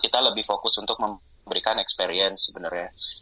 kita lebih fokus untuk memberikan experience sebenarnya